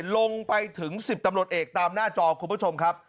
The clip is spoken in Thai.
ลงไปถึง๑๐ตำรวจเอกตามหน้าจอคุณผู้ชมครับ